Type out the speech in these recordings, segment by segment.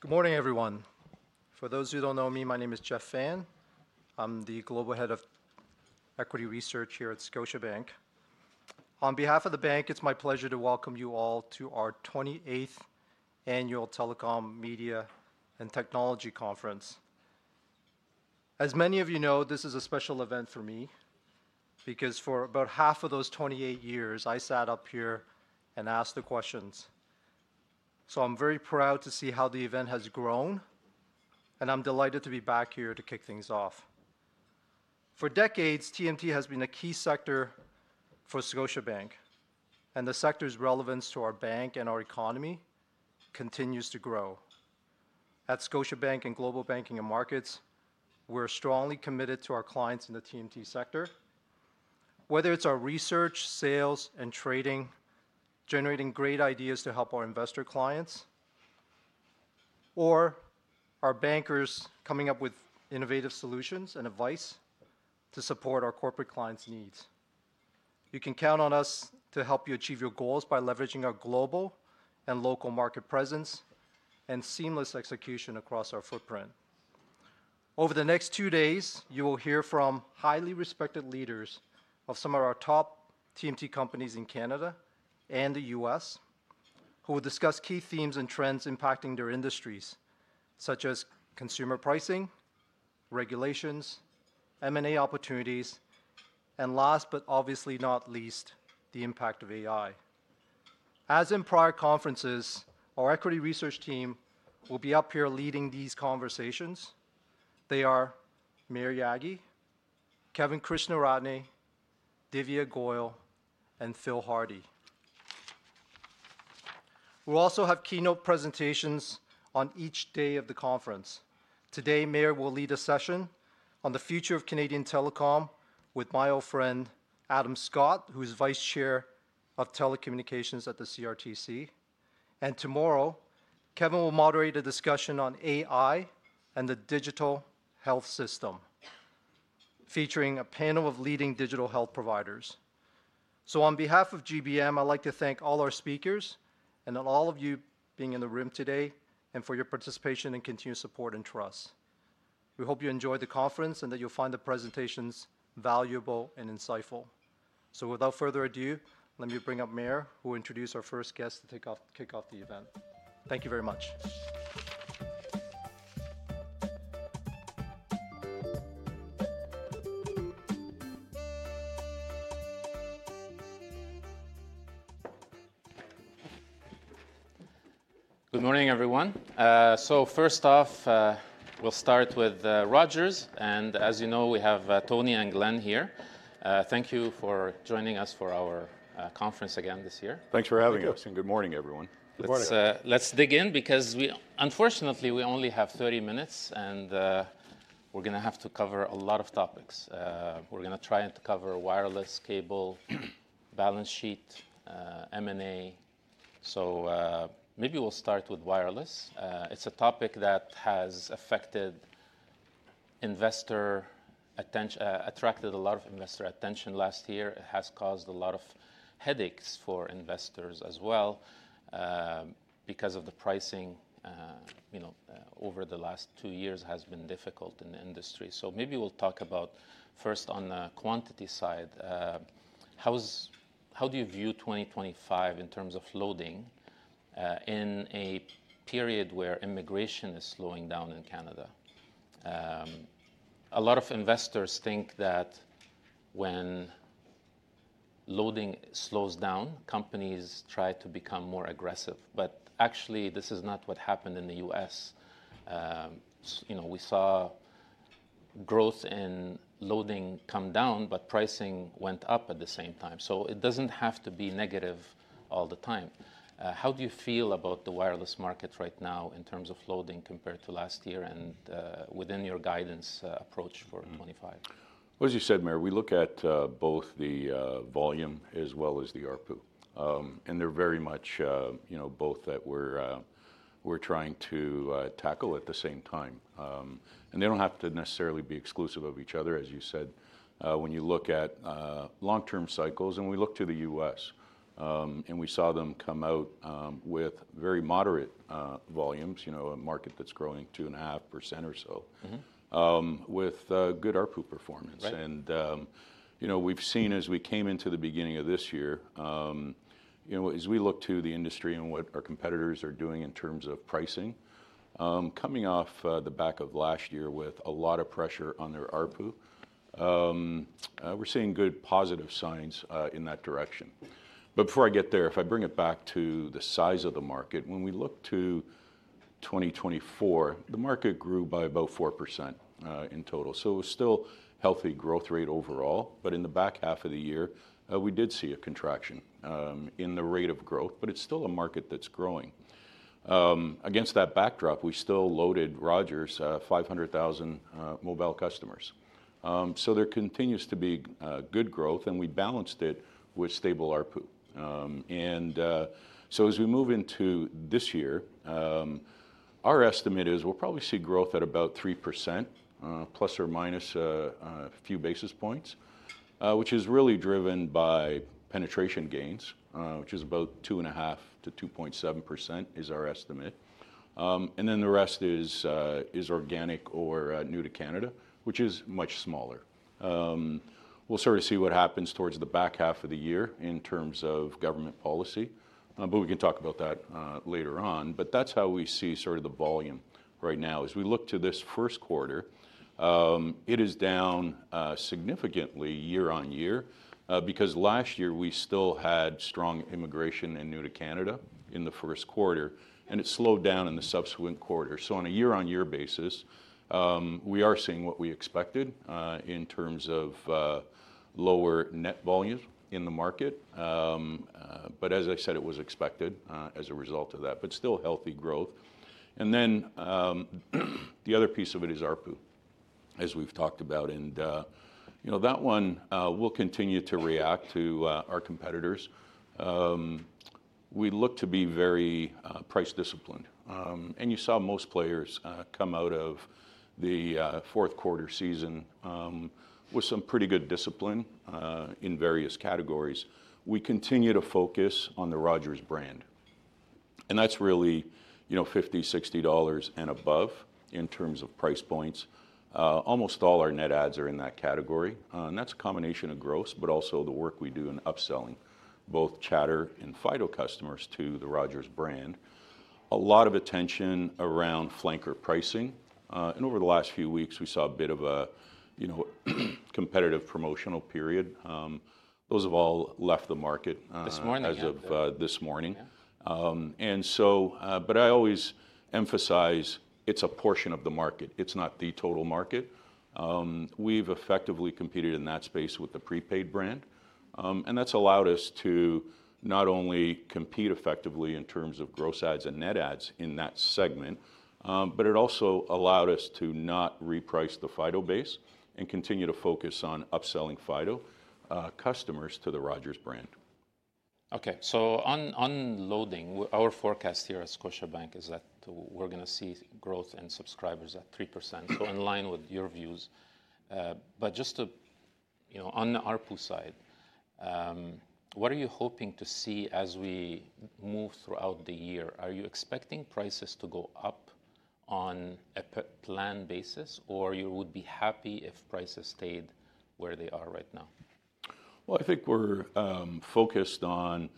Good morning, everyone. For those who don't know me, my name is Jeff Fan. I'm the Global Head of Equity Research here at Scotiabank. On behalf of the bank, it's my pleasure to welcome you all to our 28th annual Telecom, Media, and Technology conference. As many of you know, this is a special event for me because for about half of those 28 years, I sat up here and asked the questions. So I'm very proud to see how the event has grown, and I'm delighted to be back here to kick things off. For decades, TMT has been a key sector for Scotiabank, and the sector's relevance to our bank and our economy continues to grow. At Scotiabank and Global Banking and Markets, we're strongly committed to our clients in the TMT sector, whether it's our research, sales, and trading, generating great ideas to help our investor clients, or our bankers coming up with innovative solutions and advice to support our corporate clients' needs. You can count on us to help you achieve your goals by leveraging our global and local market presence and seamless execution across our footprint. Over the next two days, you will hear from highly respected leaders of some of our top TMT companies in Canada and the U.S., who will discuss key themes and trends impacting their industries, such as consumer pricing, regulations, M&A opportunities, and last but obviously not least, the impact of AI. As in prior conferences, our equity research team will be up here leading these conversations. They are Maher Yaghi, Kevin Krishnaratne, Divya Goyal, and Phil Hardie. We'll also have keynote presentations on each day of the conference. Today, Maher will lead a session on the future of Canadian telecom with my old friend, Adam Scott, who is Vice Chair of Telecommunications at the CRTC. And tomorrow, Kevin will moderate a discussion on AI and the digital health system, featuring a panel of leading digital health providers. So on behalf of GBM, I'd like to thank all our speakers and all of you being in the room today and for your participation and continued support and trust. We hope you enjoy the conference and that you'll find the presentations valuable and insightful. So without further ado, let me bring up Maher, who will introduce our first guest to kick off the event. Thank you very much. Good morning, everyone. So first off, we'll start with Rogers. And as you know, we have Tony and Glenn here. Thank you for joining us for our conference again this year. Thanks for having us. Good morning, everyone. Good morning. Let's dig in because unfortunately, we only have 30 minutes, and we're going to have to cover a lot of topics. We're going to try to cover wireless, cable, balance sheet, M&A. So maybe we'll start with wireless. It's a topic that has affected investor attention, attracted a lot of investor attention last year. It has caused a lot of headaches for investors as well because of the pricing over the last two years has been difficult in the industry. So maybe we'll talk about first on the quantity side. How do you view 2025 in terms of loading in a period where immigration is slowing down in Canada? A lot of investors think that when loading slows down, companies try to become more aggressive. But actually, this is not what happened in the U.S. We saw growth in loading come down, but pricing went up at the same time. So it doesn't have to be negative all the time. How do you feel about the wireless market right now in terms of loading compared to last year and within your guidance approach for 2025? As you said, Maher, we look at both the volume as well as the ARPU. They're very much both that we're trying to tackle at the same time. They don't have to necessarily be exclusive of each other, as you said. When you look at long-term cycles, we look to the U.S. We saw them come out with very moderate volumes, a market that's growing 2.5% or so, with good ARPU performance. We've seen as we came into the beginning of this year, as we look to the industry and what our competitors are doing in terms of pricing, coming off the back of last year with a lot of pressure on their ARPU, we're seeing good positive signs in that direction. But before I get there, if I bring it back to the size of the market, when we look to 2024, the market grew by about 4% in total. So it was still a healthy growth rate overall. But in the back half of the year, we did see a contraction in the rate of growth, but it's still a market that's growing. Against that backdrop, we still added 500,000 mobile customers. So there continues to be good growth, and we balanced it with stable ARPU. And so as we move into this year, our estimate is we'll probably see growth at about 3%, plus or minus a few basis points, which is really driven by penetration gains, which is about 2.5%-2.7% is our estimate. And then the rest is organic or new to Canada, which is much smaller. We'll sort of see what happens towards the back half of the year in terms of government policy, but we can talk about that later on. But that's how we see sort of the volume right now. As we look to this first quarter, it is down significantly year on year because last year we still had strong immigration and new to Canada in the first quarter, and it slowed down in the subsequent quarter. So on a year-on-year basis, we are seeing what we expected in terms of lower net volume in the market. But as I said, it was expected as a result of that, but still healthy growth. And then the other piece of it is ARPU, as we've talked about. And that one will continue to react to our competitors. We look to be very price disciplined. And you saw most players come out of the fourth quarter season with some pretty good discipline in various categories. We continue to focus on the Rogers brand. And that's really CAD 50, 60 dollars and above in terms of price points. Almost all our net adds are in that category. And that's a combination of gross, but also the work we do in upselling both chatr and Fido customers to the Rogers brand. A lot of attention around flanker pricing. And over the last few weeks, we saw a bit of a competitive promotional period. Those have all left the market. This morning. As of this morning, and so, but I always emphasize it's a portion of the market. It's not the total market. We've effectively competed in that space with the prepaid brand, and that's allowed us to not only compete effectively in terms of gross adds and net adds in that segment, but it also allowed us to not reprice the Fido base and continue to focus on upselling Fido customers to the Rogers brand. Okay, so on low end, our forecast here at Scotiabank is that we're going to see growth in subscribers at 3%, so in line with your views. But just on the ARPU side, what are you hoping to see as we move throughout the year? Are you expecting prices to go up on a planned basis, or you would be happy if prices stayed where they are right now? I think we're focused on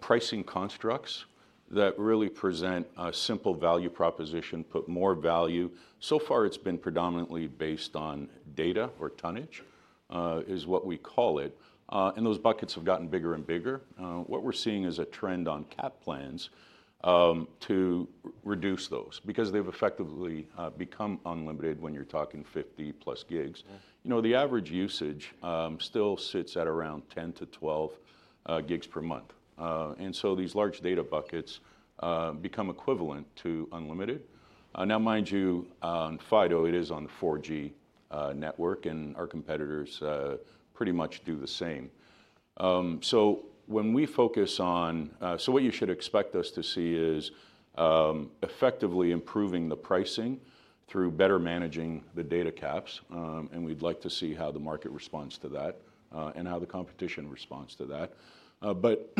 pricing constructs that really present a simple value proposition, put more value. So far, it's been predominantly based on data or tonnage is what we call it. And those buckets have gotten bigger and bigger. What we're seeing is a trend on cap plans to reduce those because they've effectively become unlimited when you're talking 50+ Gb. The average usage still sits at around 10-12 Gb per month. And so these large data buckets become equivalent to unlimited. Now, mind you, on Fido, it is on the 4G network, and our competitors pretty much do the same. What you should expect us to see is effectively improving the pricing through better managing the data caps. And we'd like to see how the market responds to that and how the competition responds to that. But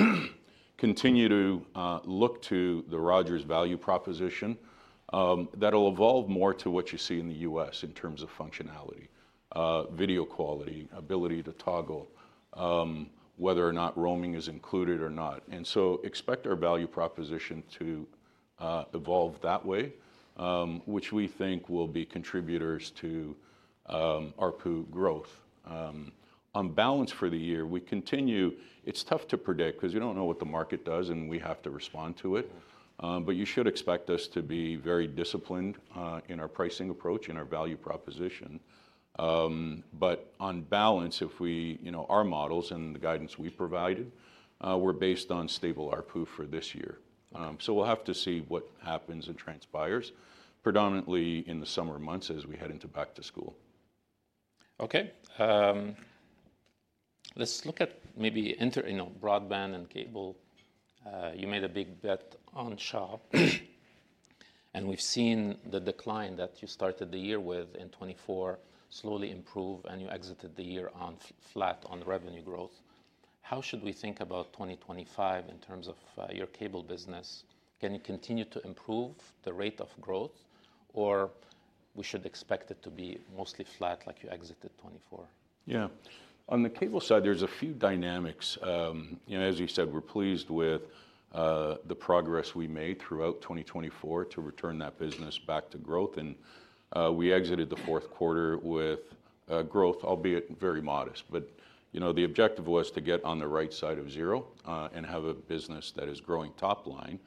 continue to look to the Rogers value proposition that'll evolve more to what you see in the U.S. in terms of functionality, video quality, ability to toggle whether or not roaming is included or not. And so expect our value proposition to evolve that way, which we think will be contributors to ARPU growth. On balance for the year, we continue. It's tough to predict because you don't know what the market does and we have to respond to it. But you should expect us to be very disciplined in our pricing approach and our value proposition. But on balance, if we, our models and the guidance we provided, we're based on stable ARPU for this year. So we'll have to see what happens and transpires predominantly in the summer months as we head into back to school. Okay. Let's look at maybe broadband and cable. You made a big bet on Shaw, and we've seen the decline that you started the year with in 2024 slowly improve, and you exited the year flat on revenue growth. How should we think about 2025 in terms of your cable business? Can you continue to improve the rate of growth, or we should expect it to be mostly flat like you exited 2024? Yeah. On the cable side, there's a few dynamics. As you said, we're pleased with the progress we made throughout 2024 to return that business back to growth, and we exited the fourth quarter with growth, albeit very modest, but the objective was to get on the right side of zero and have a business that is growing top line,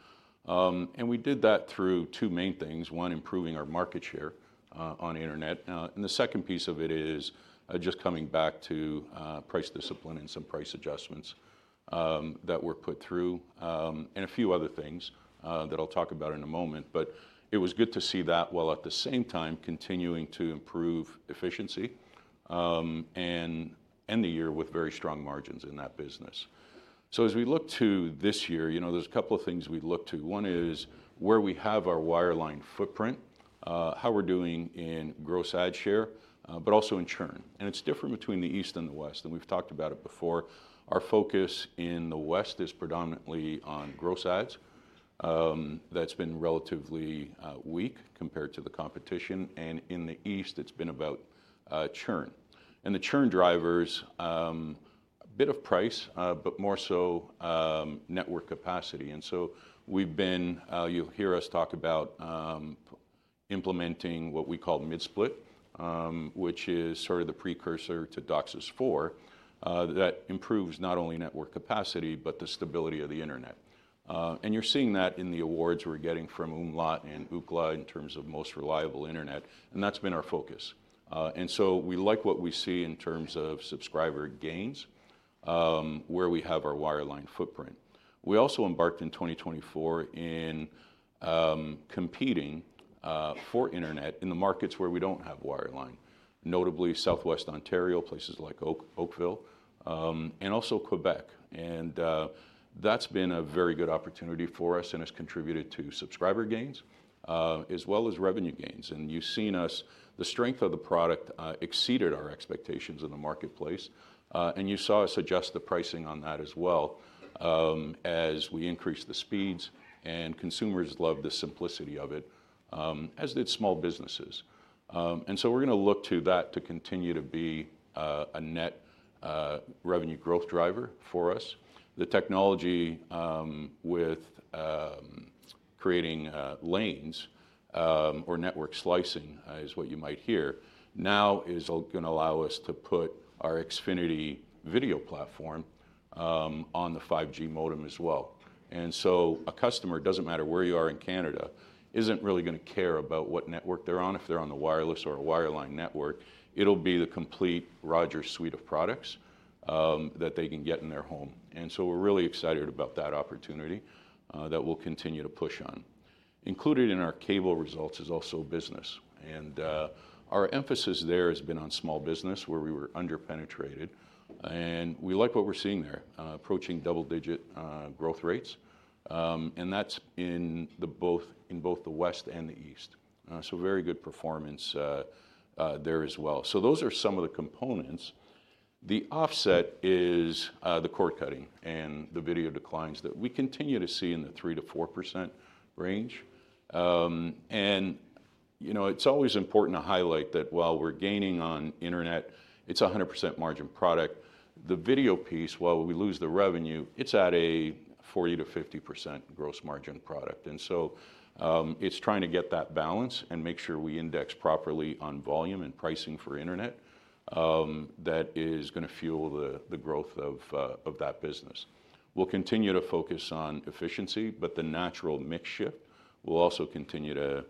and we did that through two main things. One, improving our market share on internet, and the second piece of it is just coming back to price discipline and some price adjustments that were put through and a few other things that I'll talk about in a moment, but it was good to see that while at the same time continuing to improve efficiency and end the year with very strong margins in that business, so as we look to this year, there's a couple of things we look to. One is where we have our wireline footprint, how we're doing in gross add share, but also in churn. And it's different between the east and the west. And we've talked about it before. Our focus in the west is predominantly on gross adds. That's been relatively weak compared to the competition. And in the east, it's been about churn. And the churn drivers, a bit of price, but more so network capacity. And so we've been, you'll hear us talk about implementing what we call mid-split, which is sort of the precursor to DOCSIS 4 that improves not only network capacity, but the stability of the internet. And you're seeing that in the awards we're getting from umlaut and Ookla in terms of most reliable internet. And that's been our focus. And so we like what we see in terms of subscriber gains where we have our wireline footprint. We also embarked in 2024 in competing for internet in the markets where we don't have wireline, notably Southwestern Ontario, places like Oakville, and also Quebec. And that's been a very good opportunity for us and has contributed to subscriber gains as well as revenue gains. And you've seen us, the strength of the product exceeded our expectations in the marketplace. And you saw us adjust the pricing on that as well as we increased the speeds. And consumers love the simplicity of it, as did small businesses. And so we're going to look to that to continue to be a net revenue growth driver for us. The technology with creating lanes or network slicing is what you might hear now is going to allow us to put our Xfinity video platform on the 5G modem as well. And so a customer, doesn't matter where you are in Canada, isn't really going to care about what network they're on if they're on the wireless or a wireline network. It'll be the complete Rogers suite of products that they can get in their home. And so we're really excited about that opportunity that we'll continue to push on. Included in our cable results is also business. And our emphasis there has been on small business where we were underpenetrated. And we like what we're seeing there, approaching double-digit growth rates. And that's in both the west and the east. So very good performance there as well. So those are some of the components. The offset is the cord cutting and the video declines that we continue to see in the 3%-4% range. And it's always important to highlight that while we're gaining on internet, it's a 100% margin product. The video piece, while we lose the revenue, it's at a 40%-50% gross margin product. And so it's trying to get that balance and make sure we index properly on volume and pricing for internet that is going to fuel the growth of that business. We'll continue to focus on efficiency, but the natural mix shift will also continue to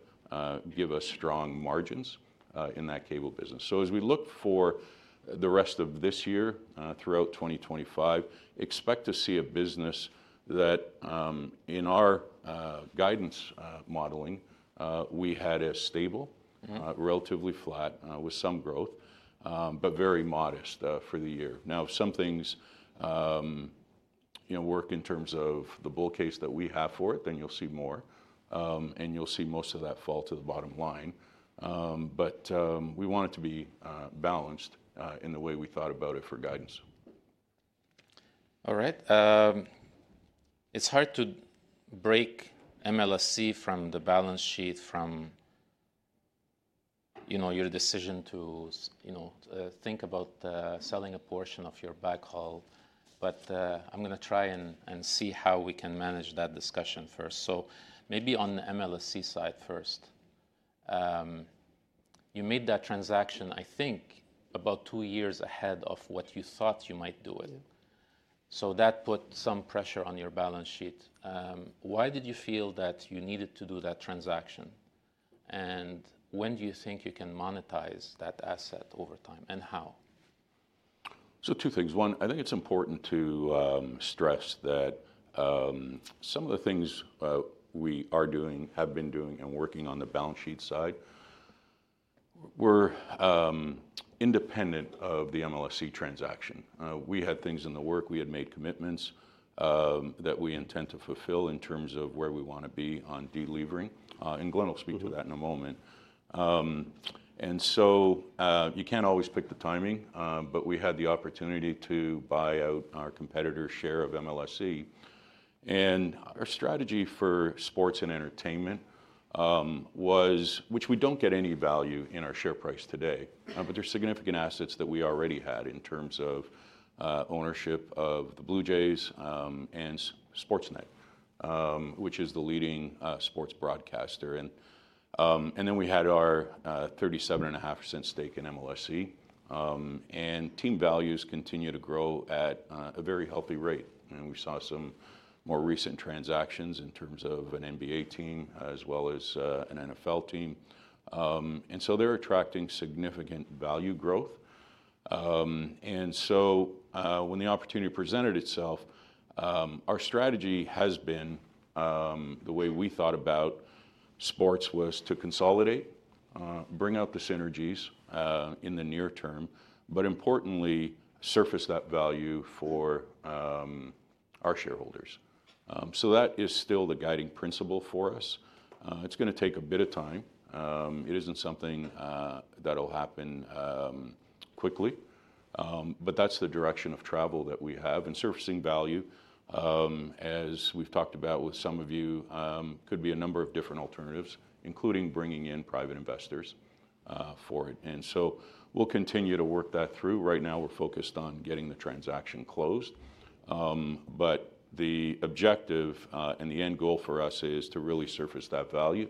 give us strong margins in that cable business. So as we look for the rest of this year, throughout 2025, expect to see a business that in our guidance modeling, we had a stable, relatively flat with some growth, but very modest for the year. Now, if some things work in terms of the bull case that we have for it, then you'll see more. And you'll see most of that fall to the bottom line. But we want it to be balanced in the way we thought about it for guidance. All right. It's hard to break MLSE from the balance sheet from your decision to think about selling a portion of your backhaul. But I'm going to try and see how we can manage that discussion first. So maybe on the MLSE side first. You made that transaction, I think, about two years ahead of what you thought you might do it. So that put some pressure on your balance sheet. Why did you feel that you needed to do that transaction? And when do you think you can monetize that asset over time and how? So two things. One, I think it's important to stress that some of the things we are doing, have been doing, and working on the balance sheet side, we're independent of the MLSE transaction. We had things in the works. We had made commitments that we intend to fulfill in terms of where we want to be on de-levering. And Glenn will speak to that in a moment. And so you can't always pick the timing, but we had the opportunity to buy out our competitor's share of MLSE. And our strategy for sports and entertainment was, which we don't get any value in our share price today, but there's significant assets that we already had in terms of ownership of the Blue Jays and Sportsnet, which is the leading sports broadcaster. And then we had our 37.5% stake in MLSE. Team values continue to grow at a very healthy rate. We saw some more recent transactions in terms of an NBA team as well as an NFL team. They're attracting significant value growth. When the opportunity presented itself, our strategy has been the way we thought about sports was to consolidate, bring out the synergies in the near term, but importantly, surface that value for our shareholders. That is still the guiding principle for us. It's going to take a bit of time. It isn't something that'll happen quickly. That's the direction of travel that we have. Surfacing value, as we've talked about with some of you, could be a number of different alternatives, including bringing in private investors for it. We'll continue to work that through. Right now, we're focused on getting the transaction closed. But the objective and the end goal for us is to really surface that value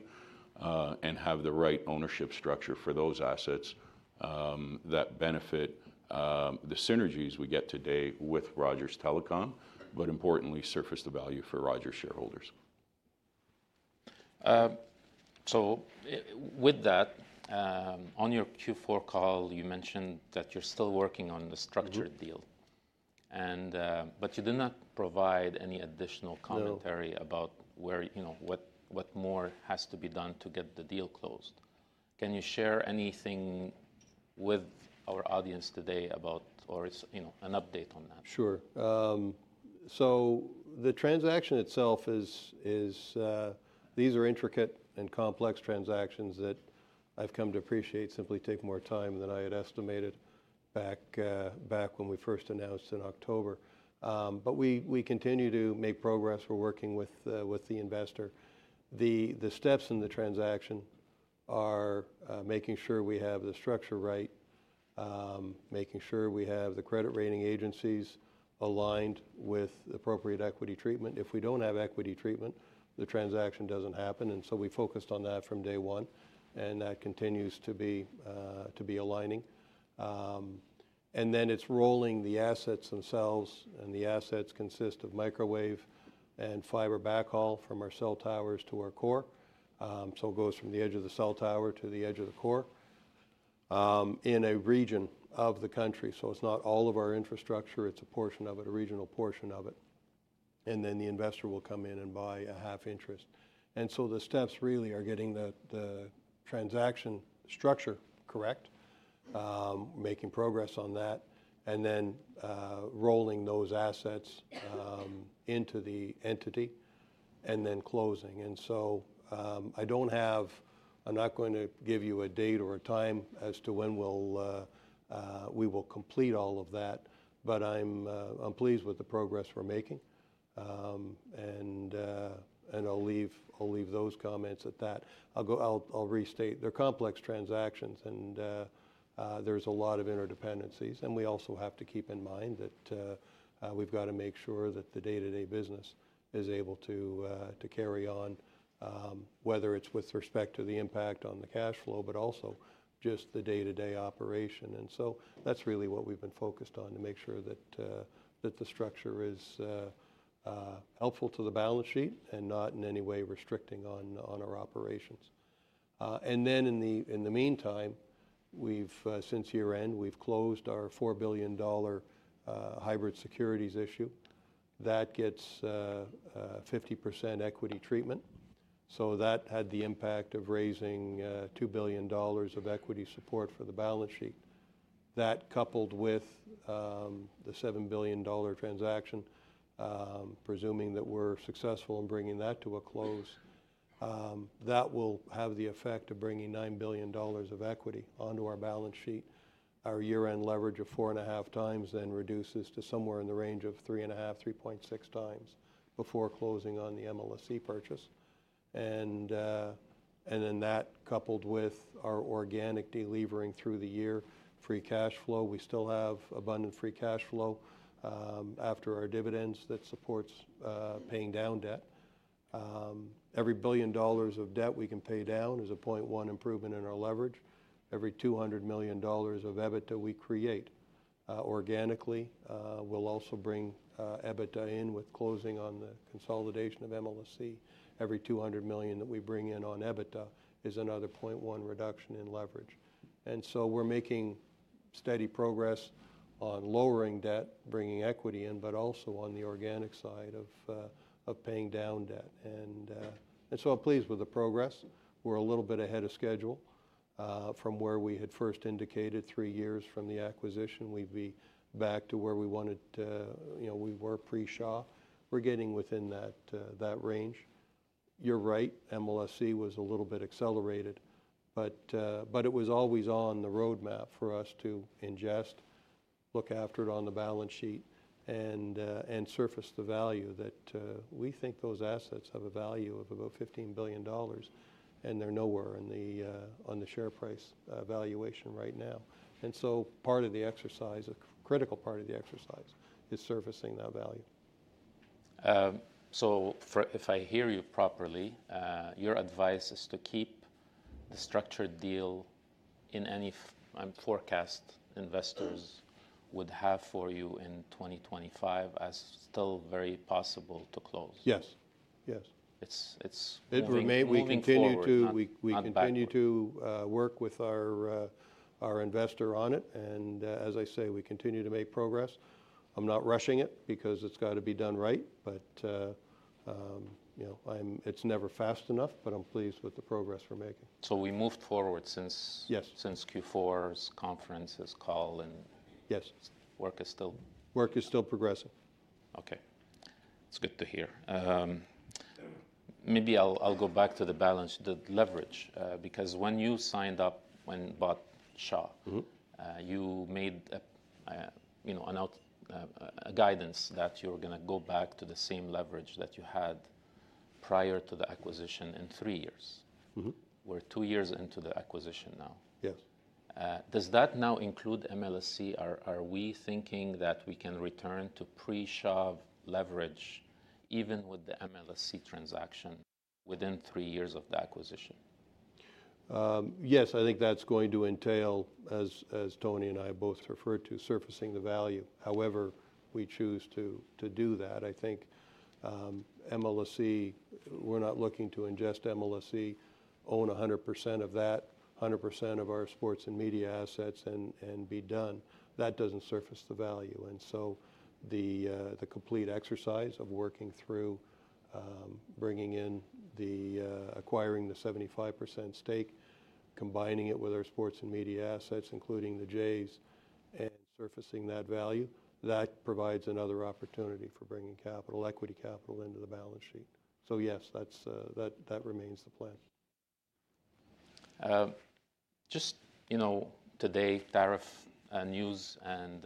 and have the right ownership structure for those assets that benefit the synergies we get today with Rogers Telecom, but importantly, surface the value for Rogers shareholders. So with that, on your Q4 call, you mentioned that you're still working on the structured deal. But you did not provide any additional commentary about what more has to be done to get the deal closed. Can you share anything with our audience today about or an update on that? Sure, so the transaction itself is, these are intricate and complex transactions that I've come to appreciate simply take more time than I had estimated back when we first announced in October, but we continue to make progress. We're working with the investor. The steps in the transaction are making sure we have the structure right, making sure we have the credit rating agencies aligned with appropriate equity treatment. If we don't have equity treatment, the transaction doesn't happen, and so we focused on that from day one, and that continues to be aligning, and then it's rolling the assets themselves, and the assets consist of microwave and fiber backhaul from our cell towers to our core, so it goes from the edge of the cell tower to the edge of the core in a region of the country, so it's not all of our infrastructure. It's a portion of it, a regional portion of it. And then the investor will come in and buy a half interest. And so the steps really are getting the transaction structure correct, making progress on that, and then rolling those assets into the entity and then closing. And so I don't have. I'm not going to give you a date or a time as to when we will complete all of that. But I'm pleased with the progress we're making. And I'll leave those comments at that. I'll restate. They're complex transactions. And there's a lot of interdependencies. And we also have to keep in mind that we've got to make sure that the day-to-day business is able to carry on, whether it's with respect to the impact on the cash flow, but also just the day-to-day operation. And so that's really what we've been focused on to make sure that the structure is helpful to the balance sheet and not in any way restricting on our operations. And then in the meantime, since year-end, we've closed our 4 billion dollar hybrid securities issue. That gets 50% equity treatment. So that had the impact of raising 2 billion dollars of equity support for the balance sheet. That coupled with the 7 billion dollar transaction, presuming that we're successful in bringing that to a close, that will have the effect of bringing 9 billion dollars of equity onto our balance sheet. Our year-end leverage of four and a half times then reduces to somewhere in the range of three and a half, 3.6 times before closing on the MLSE purchase. And then that coupled with our organic delivering through the year free cash flow, we still have abundant free cash flow after our dividends that supports paying down debt. Every 1 billion dollars of debt we can pay down is a 0.1 improvement in our leverage. Every 200 million dollars of EBITDA we create organically will also bring EBITDA in with closing on the consolidation of MLSE. Every 200 million that we bring in on EBITDA is another 0.1 reduction in leverage. And so we're making steady progress on lowering debt, bringing equity in, but also on the organic side of paying down debt. And so I'm pleased with the progress. We're a little bit ahead of schedule from where we had first indicated three years from the acquisition. We'd be back to where we wanted to; we were pre-Shaw. We're getting within that range. You're right. MLSE was a little bit accelerated, but it was always on the roadmap for us to ingest, look after it on the balance sheet, and surface the value that we think those assets have a value of about 15 billion dollars. And they're nowhere on the share price valuation right now. And so part of the exercise, a critical part of the exercise, is surfacing that value. So if I hear you properly, your advice is to keep the structured deal in any forecast investors would have for you in 2025 as still very possible to close. Yes. Yes. It's very possible. We continue to work with our investor on it. And as I say, we continue to make progress. I'm not rushing it because it's got to be done right. But it's never fast enough, but I'm pleased with the progress we're making. We moved forward since Q4's conference call and work is still. Work is still progressing. Okay. That's good to hear. Maybe I'll go back to the balance, the leverage, because when you signed up, when you bought Shaw, you made a guidance that you're going to go back to the same leverage that you had prior to the acquisition in three years. We're two years into the acquisition now. Yes. Does that now include MLSE? Are we thinking that we can return to pre-Shaw leverage even with the MLSE transaction within three years of the acquisition? Yes. I think that's going to entail, as Tony and I both referred to, surfacing the value. However, we choose to do that. I think MLSE, we're not looking to ingest MLSE, own 100% of that, 100% of our sports and media assets and be done. That doesn't surface the value. And so the complete exercise of working through bringing in the acquiring the 75% stake, combining it with our sports and media assets, including the Jays, and surfacing that value, that provides another opportunity for bringing equity capital into the balance sheet. So yes, that remains the plan. Just today, tariff news and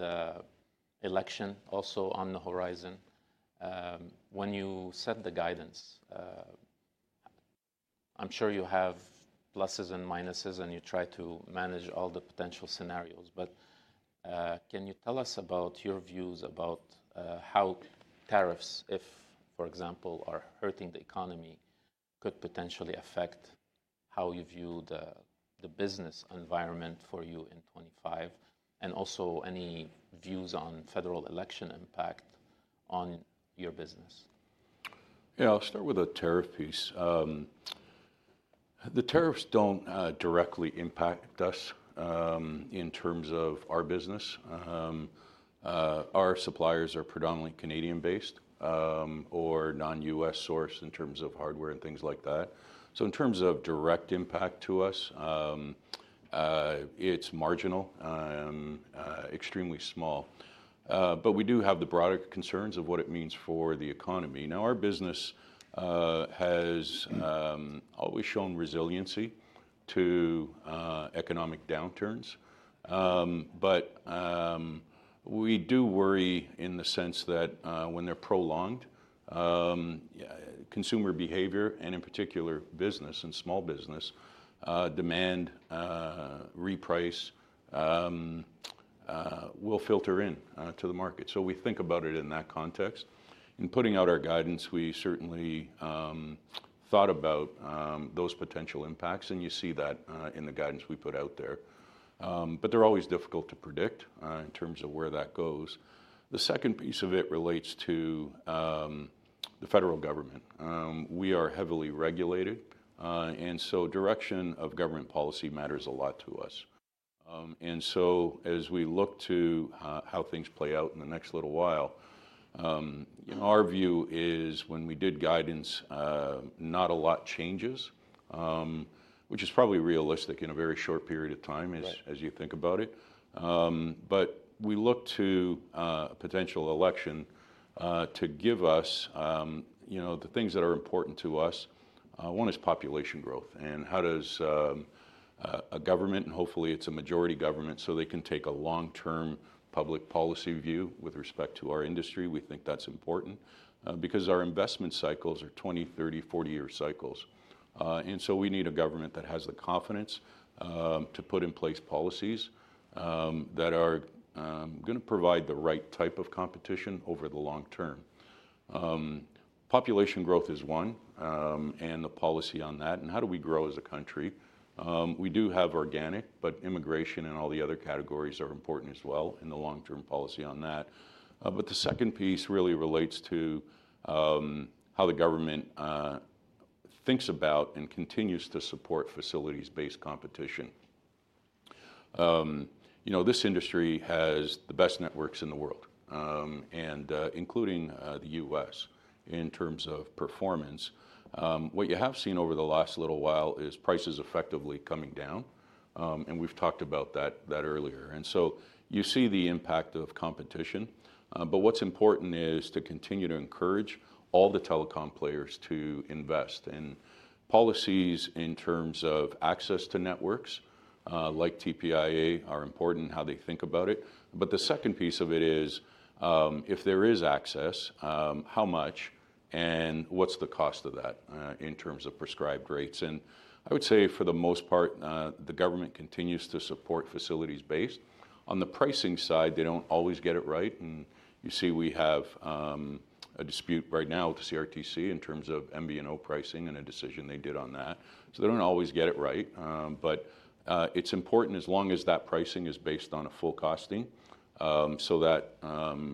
election also on the horizon. When you set the guidance, I'm sure you have pluses and minuses and you try to manage all the potential scenarios. But can you tell us about your views about how tariffs, if, for example, are hurting the economy, could potentially affect how you view the business environment for you in 2025? And also any views on federal election impact on your business? Yeah. I'll start with the tariff piece. The tariffs don't directly impact us in terms of our business. Our suppliers are predominantly Canadian-based or non-U.S. source in terms of hardware and things like that. So in terms of direct impact to us, it's marginal, extremely small. But we do have the broader concerns of what it means for the economy. Now, our business has always shown resiliency to economic downturns. But we do worry in the sense that when they're prolonged, consumer behavior, and in particular, business and small business demand, reprice will filter into the market. So we think about it in that context. In putting out our guidance, we certainly thought about those potential impacts. And you see that in the guidance we put out there. But they're always difficult to predict in terms of where that goes. The second piece of it relates to the federal government. We are heavily regulated, and so direction of government policy matters a lot to us, and so as we look to how things play out in the next little while, our view is when we did guidance, not a lot changes, which is probably realistic in a very short period of time as you think about it, but we look to a potential election to give us the things that are important to us. One is population growth, and how does a government, and hopefully it's a majority government, so they can take a long-term public policy view with respect to our industry? We think that's important because our investment cycles are 20, 30, 40-year cycles, and so we need a government that has the confidence to put in place policies that are going to provide the right type of competition over the long term. Population growth is one, and the policy on that, and how do we grow as a country? We do have organic, but immigration and all the other categories are important as well in the long-term policy on that. But the second piece really relates to how the government thinks about and continues to support facilities-based competition. This industry has the best networks in the world, including the U.S. in terms of performance. What you have seen over the last little while is prices effectively coming down. And we've talked about that earlier. And so you see the impact of competition. But what's important is to continue to encourage all the telecom players to invest. And policies in terms of access to networks like TPIA are important and how they think about it. But the second piece of it is if there is access, how much, and what's the cost of that in terms of prescribed rates. And I would say for the most part, the government continues to support facilities-based. On the pricing side, they don't always get it right. And you see we have a dispute right now with the CRTC in terms of MVNO pricing and a decision they did on that. So they don't always get it right. But it's important as long as that pricing is based on a full costing so that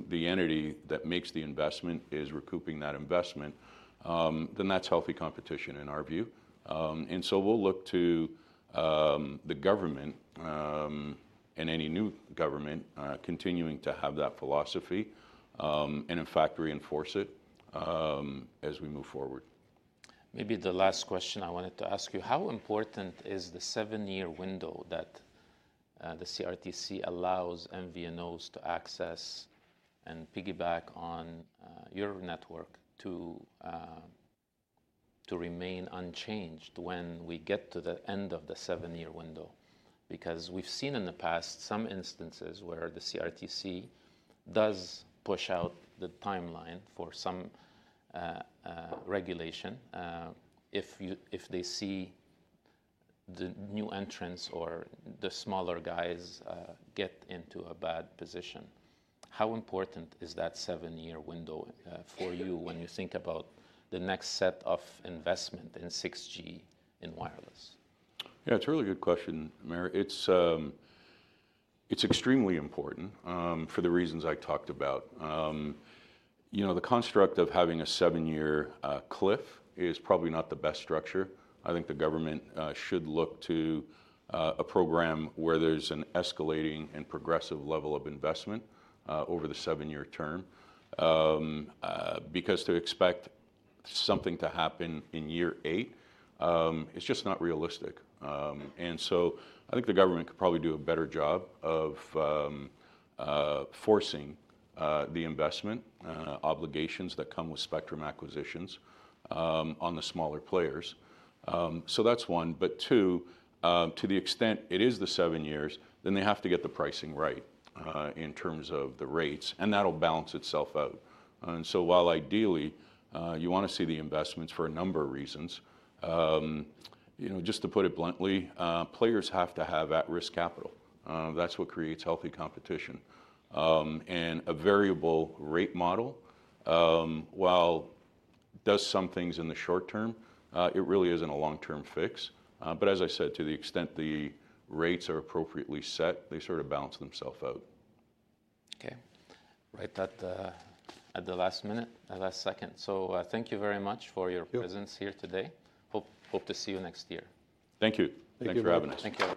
the entity that makes the investment is recouping that investment, then that's healthy competition in our view. And so we'll look to the government and any new government continuing to have that philosophy and in fact reinforce it as we move forward. Maybe the last question I wanted to ask you, how important is the seven-year window that the CRTC allows MVNOs to access and piggyback on your network to remain unchanged when we get to the end of the seven-year window? Because we've seen in the past some instances where the CRTC does push out the timeline for some regulation if they see the new entrants or the smaller guys get into a bad position. How important is that seven-year window for you when you think about the next set of investment in 6G in wireless? Yeah. It's a really good question, Maher. It's extremely important for the reasons I talked about. The construct of having a seven-year cliff is probably not the best structure. I think the government should look to a program where there's an escalating and progressive level of investment over the seven-year term because to expect something to happen in year eight is just not realistic. And so I think the government could probably do a better job of forcing the investment obligations that come with spectrum acquisitions on the smaller players. So that's one. But two, to the extent it is the seven years, then they have to get the pricing right in terms of the rates. And that'll balance itself out. And so while ideally you want to see the investments for a number of reasons, just to put it bluntly, players have to have at-risk capital. That's what creates healthy competition. And a variable rate model, while it does some things in the short term, it really isn't a long-term fix. But as I said, to the extent the rates are appropriately set, they sort of balance themselves out. Okay. Right at the last minute, last second. So thank you very much for your presence here today. Hope to see you next year. Thank you. Thanks for having us. Thank you.